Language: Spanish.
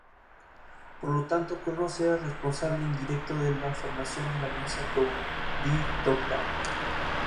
Por lo tanto, Cronos era responsable indirecto de la formación de la alianza Tau'ri-Tok'ra.